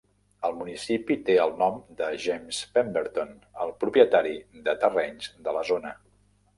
El municipi té el nom de James Pemberton, el propietari de terrenys de la zona.